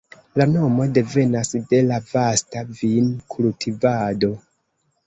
La nomo devenas de la vasta vin-kultivado.